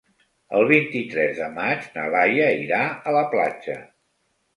El vint-i-tres de maig na Laia irà a la platja.